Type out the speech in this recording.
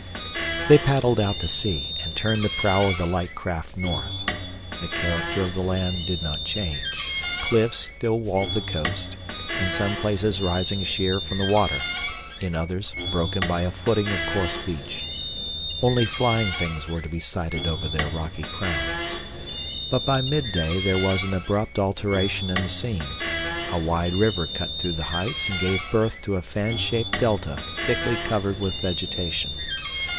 They paddled out to sea and turned the prow of the light craft north. The character of the land did not change. Cliffs still walled the coast, in some places rising sheer from the water, in others broken by a footing of coarse beach. Only flying things were to be sighted over their rocky crowns. But by midday there was an abrupt alteration in the scene. A wide river cut through the heights and gave birth to a fan shaped delta thickly covered with vegetation.